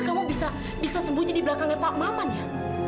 kamu bisa sembunyi dibelakangnya pak maman ya